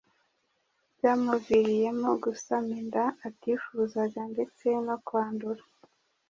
bwamuviriyemo gusama inda atifuzaga ndetse no kwandura